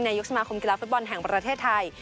นายกสมาคมกีฬาฟุตบอลแห่งประเทศไทย